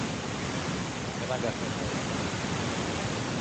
Έναν καφέ θα ήθελα